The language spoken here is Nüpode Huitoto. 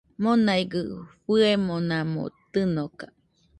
Monaigɨ fɨemonamo tɨnoka